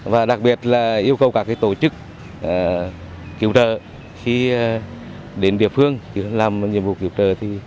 và đặc biệt là yêu cầu các tổ chức cứu trợ khi đến địa phương làm nhiệm vụ cứu trợ